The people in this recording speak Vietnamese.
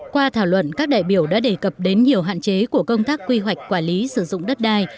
qua thảo luận các đại biểu đã đề cập đến nhiều hạn chế của công tác quy hoạch quản lý sử dụng đất đai